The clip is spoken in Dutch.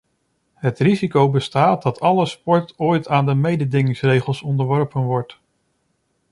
Het risico bestaat dat alle sport ooit aan de mededingingsregels onderworpen wordt.